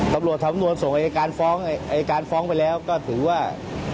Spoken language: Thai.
สำนวนส่งอายการฟ้องอายการฟ้องไปแล้วก็ถือว่า